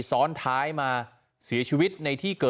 ซ้อนท้ายมาเสียชีวิตในที่นี่นะครับ